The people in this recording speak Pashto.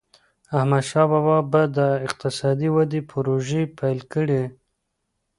احمدشاه بابا به د اقتصادي ودي پروژي پیل کړي.